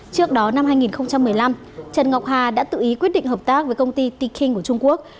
trước đó năm hai nghìn một mươi năm trần ngọc hà đã tự ý quyết định hợp tác với công ty tiking của trung quốc